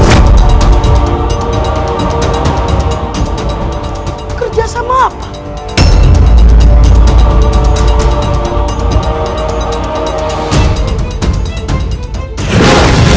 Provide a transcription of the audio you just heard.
bekerja sama apa